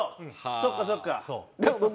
そっかそっか。